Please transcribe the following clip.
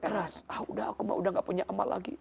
keras ah udah aku mah udah gak punya amal lagi